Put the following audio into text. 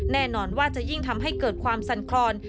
แน่นอนว่าจะยิ่งทำให้เกิดความสั่นคลอน